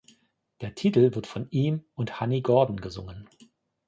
Der Titel wird von ihm und Honey Gordon gesungen.